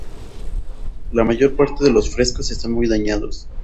La mayor parte de los frescos están muy dañados.